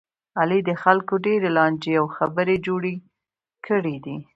علي د خلکو ډېرې لانجې او خبې جوړې کړلې.